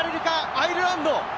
アイルランド。